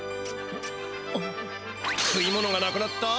食い物がなくなった？